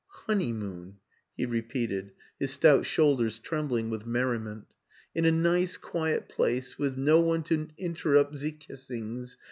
" Honeymoon," he repeated, his stout shoul ders trembling with merriment. " In a nice quiet place, wiz no one to interrupt zee kissings.